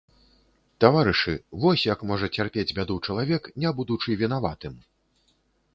Таварышы, вось як можа цярпець бяду чалавек, не будучы вінаватым.